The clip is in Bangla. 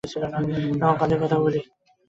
এখন কাজের কথা বলি।